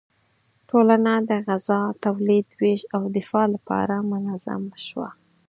ټولنه د غذا تولید، ویش او دفاع لپاره منظم شوه.